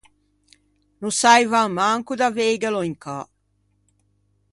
No saivan manco d’aveighelo in cà.